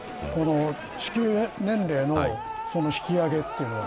支給年齢の引き上げというのは。